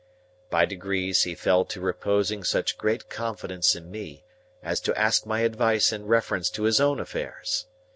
By degrees he fell to reposing such great confidence in me, as to ask my advice in reference to his own affairs.